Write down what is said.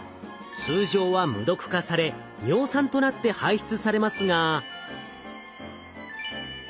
通常は無毒化され尿酸となって排出されますが。